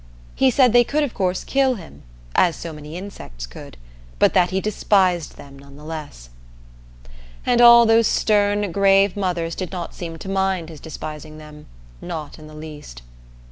He said they could of course kill him as so many insects could but that he despised them nonetheless. And all those stern grave mothers did not seem to mind his despising them, not in the least.